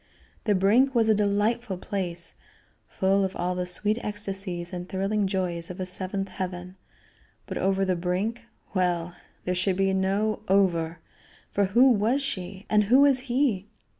The brink was a delightful place, full of all the sweet ecstasies and thrilling joys of a seventh heaven, but over the brink well! there should be no "over," for who was she? And who was he?